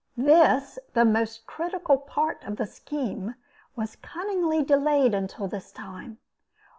This, the most critical part of the scheme, was cunningly delayed until this time.